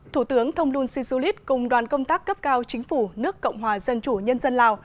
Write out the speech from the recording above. thủ tướng thông luân si su lít cùng đoàn công tác cấp cao chính phủ nước cộng hòa dân chủ nhân dân lào